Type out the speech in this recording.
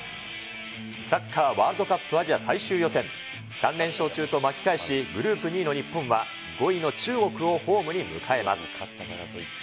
サッカーワールドカップアジア最終予選、３連勝中と巻き返し、グループ２位の日本は、５位の中国をホームに迎えます。